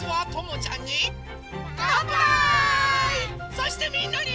そしてみんなに。